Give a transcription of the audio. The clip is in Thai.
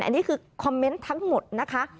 อันนี้คือคอมเมนต์ทั้งหมดนะคะ